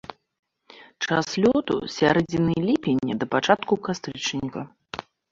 Час лёту з сярэдзіны ліпеня да пачатку кастрычніка.